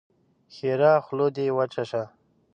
ښېرا: خوله دې وچه شه!